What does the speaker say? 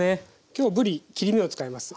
今日ぶり切り身を使います。